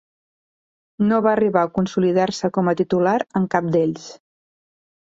No va arribar a consolidar-se com a titular en cap d'ells.